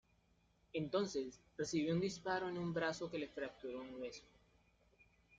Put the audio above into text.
Entonces, recibió un disparo en un brazo que le fracturó un hueso.